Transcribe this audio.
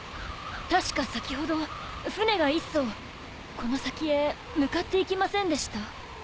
確か先ほど船が１そうこの先へ向かっていきませんでした？